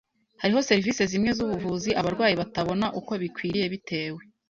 Hariho serivisi zimwe z ubuvuzi abarwayi batabona uko bikwiriye bitewe